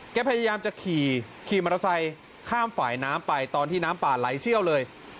พยายามจะขี่ขี่มอเตอร์ไซค์ข้ามฝ่ายน้ำไปตอนที่น้ำป่าไหลเชี่ยวเลย